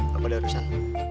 gak ada urusan